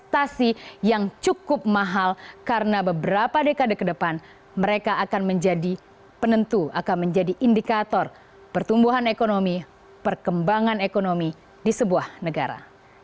transportasi yang cukup mahal karena beberapa dekade ke depan mereka akan menjadi penentu akan menjadi indikator pertumbuhan ekonomi perkembangan ekonomi di sebuah negara